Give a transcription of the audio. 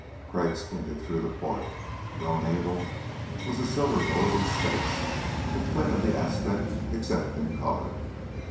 Crag squinted through the port. Drone Able was a silver bullet in space, a twin of the Aztec except in color.